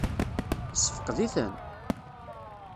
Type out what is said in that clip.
Yessefqed-iten?